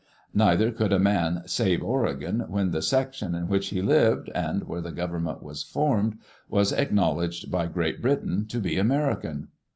Neither could a maa "save Oregon" when the section in which he lived, and where the government was formed, was acknowledged by Great Britain to be American.